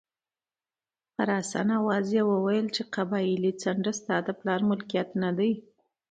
په رسا اواز یې وویل چې قبایلي څنډه ستا د پلار ملکیت نه دی.